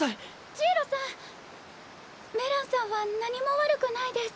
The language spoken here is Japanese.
ジイロさんメランさんは何も悪くないです。